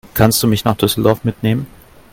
Kannst du mich nach Düsseldorf mitnehmen?